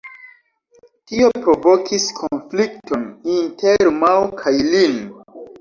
Tio provokis konflikton inter Mao kaj Lin.